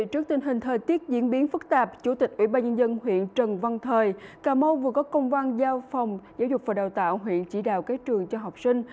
trước tình hình thời tiết diễn biến phức tạp chủ tịch ủy ban nhân dân huyện trần văn thời cà mau vừa có công văn giao phòng giáo dục và đào tạo huyện chỉ đạo các trường cho học sinh